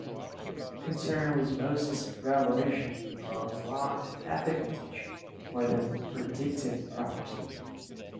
Concern with Moses' revelation involves law and ethical teaching more than predictive prophecy.